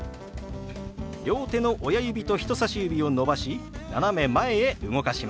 両手の親指と人さし指を伸ばし斜め前へ動かします。